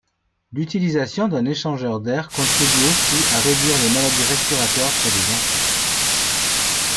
L'utilisation d'un échangeur d'air contribue aussi à réduire les maladies respiratoires chez les enfants.